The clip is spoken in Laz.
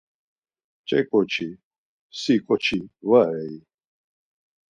Ç̌e ǩoçi, si ǩoçi va rei?